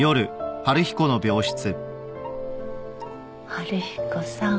春彦さん。